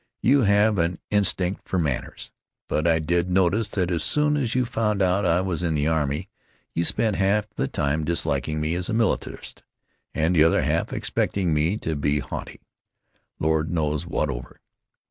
You have an instinct for manners. But I did notice that as soon as you found out I was in the army you spent half the time disliking me as a militarist, and the other half expecting me to be haughty—Lord knows what over.